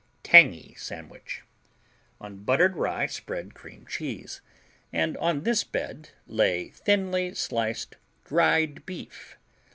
T Tangy Sandwich On buttered rye spread cream cheese, and on this bed lay thinly sliced dried beef.